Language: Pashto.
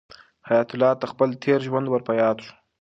حیات الله ته خپل تېر ژوند ور په یاد شو.